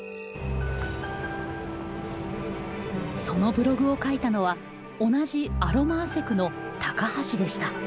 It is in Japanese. そのブログを書いたのは同じアロマアセクの高橋でした。